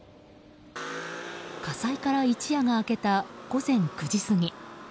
火災から一夜が明けた午前９時過ぎ。